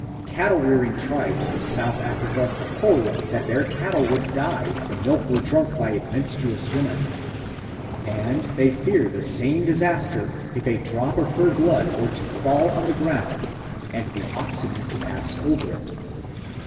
Cattle rearing tribes of South Africa hold that their cattle would die if the milk were drunk by a menstruous woman; and they fear the same disaster if a drop of her blood were to fall on the ground and the oxen were to pass over it.